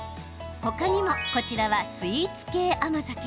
他にも、こちらはスイーツ系甘酒。